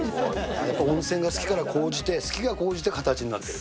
すごい、やっぱり温泉が好きから高じて、好きが高じて形になっている。